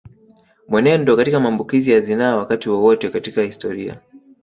Mwenendo katika maambukizi ya zinaa Wakati wowote katika historia